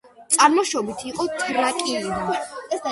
წარმოშობით იყო თრაკიიდან.